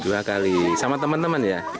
dua kali sama teman teman ya